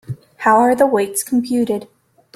How are the weights computed?